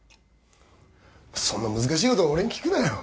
そんな難しいこと俺に聞くなよ